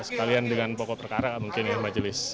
sekalian dengan pokok perkara mungkin ya mbak jelis